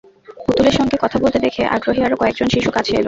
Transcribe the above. পুতুলের সঙ্গে কথা বলতে দেখে আগ্রহী আরও কয়েকজন শিশু কাছে এল।